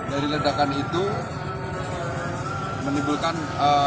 dari ledakan itu menimbulkan